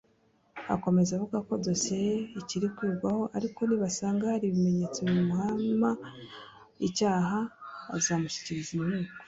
Akomeza avuga ko dosiye ye ikiri kwigwaho ariko nibasanga hari ibimenyetso bimuhamya icyaha bazamushyikiriza inkiko